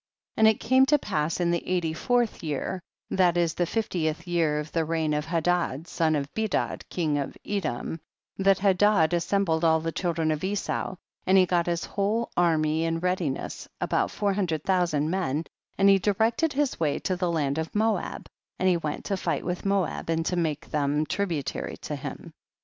6. And it came to pass in the eighty fourth year, that is tiie fiftieth year of the reign of Hadad, son of Bedad, king of Edom, that Hadad assembled all the children of Esau, and lie got his whole army in readi ness, about four hundred thousand men, and he directed his way to the land of Moab, and he went to fight with Moab and to make them tribu tary to him.